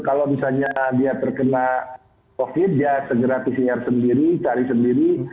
kalau misalnya dia terkena covid dia segera pcr sendiri cari sendiri